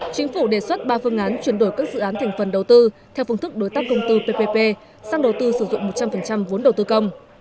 chính phủ đề xuất ba phương án chuyển đổi các dự án thành phần đầu tư theo phương thức đối tác công tư ppp sang đầu tư sử dụng một trăm linh vốn đầu tư công